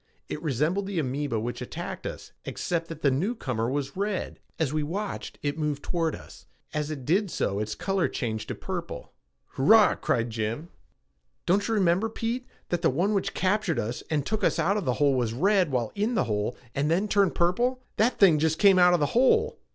It resembled the amoeba which had attacked us, except that the newcomer was red. As we watched, it moved toward us. As it did so its color changed to purple. "Hurrah!" cried Jim. "Don't you remember, Pete, that the one which captured us and took us out of the hole was red while in the hole and then turned purple? That thing just came out of the hole!"